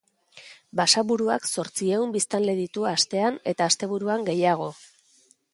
Basaburuak zortziehun biztanle ditu astean eta asteburuan gehiago.